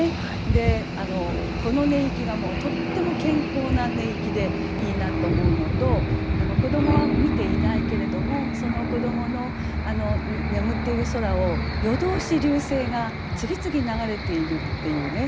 で「子の寝息」がとっても健康な寝息でいいなと思うのと子どもは見ていないけれどもその子どもの眠っている空を夜通し流星が次々流れているっていうね。